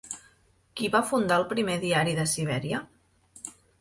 Qui va fundar el primer diari de Sibèria?